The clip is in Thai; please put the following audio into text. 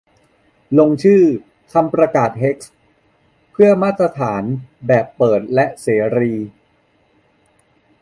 ลงชื่อ "คำประกาศเฮก" - เพื่อมาตรฐานแบบเปิดและเสรี